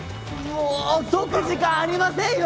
もう解く時間ありませんよ。